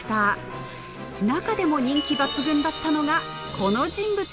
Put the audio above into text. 中でも人気抜群だったのがこの人物です。